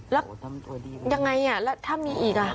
แล้วยังไงแล้วถ้ามีอีกอ่ะ